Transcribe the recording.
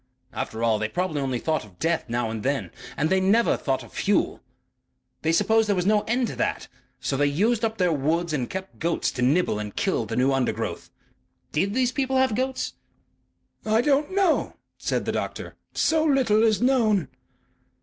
After all, they probably only thought of death now and then. And they never thought of fuel. They supposed there was no end to that. So they used up their woods and kept goats to nibble and kill the new undergrowth. DID these people have goats?" "I don't know," said the doctor. "So little is known."